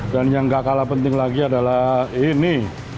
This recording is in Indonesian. dan yang nggak kalah penting lagi adalah ini